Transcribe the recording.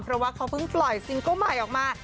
เพราะว่าเขาเพิ่งปล่อยซิงเกิ้ลใหม่ออกมา